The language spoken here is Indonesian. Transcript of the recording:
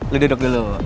lo duduk dulu